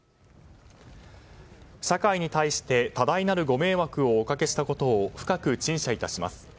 社会に対して多大なるご迷惑をおかけしたことを深く陳謝いたします。